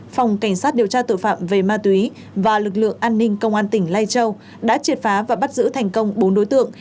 phòng cảnh sát điều tra tội phạm về ma túy và lực lượng an ninh công an tỉnh lai châu đã triệt phá và bắt giữ thành công bốn đối tượng